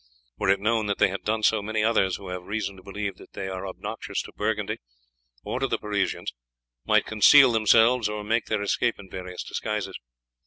Were it known that they had done so, many others who have reason to believe they are obnoxious to Burgundy or to the Parisians, might conceal themselves or make their escape in various disguises.